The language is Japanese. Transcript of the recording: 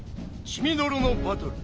血みどろのバトル！